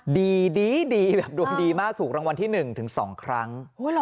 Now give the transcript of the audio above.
ดีแบบดวงดีมากถูกรางวัลที่๑ถึง๒ครั้ง